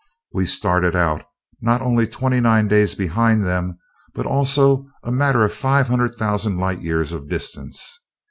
We started out not only twenty nine days behind them, but also a matter of five hundred thousand light years of distance.